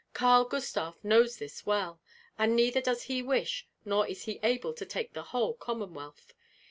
Karl Gustav knows this well, and neither does he wish nor is he able to take the whole Commonwealth.